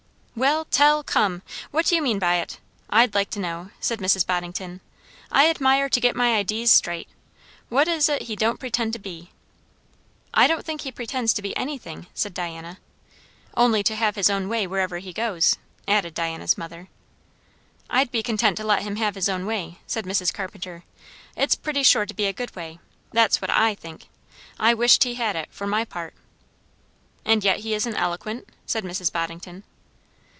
"Well, tell; come! what do you mean by it? I'd like to know," said Mrs. Boddington. "I admire to get my idees straight. What is it he don't pretend to be?" "I don't think he pretends to be anything," said Diana. "Only to have his own way wherever he goes," added Diana's mother. "I'd be content to let him have his own way," said Mrs. Carpenter. "It's pretty sure to be a good way; that's what I think. I wisht he had it, for my part." "And yet he isn't eloquent?" said Mrs. Boddington.